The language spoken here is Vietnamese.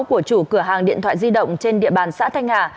của chủ cửa hàng điện thoại di động trên địa bàn xã thanh hà